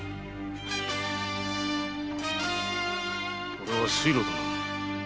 これは水路だな。